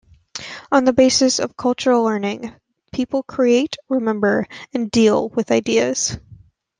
On the basis of cultural learning, people create, remember, and deal with ideas.